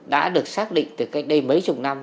đã được xác định từ cách đây mấy chục năm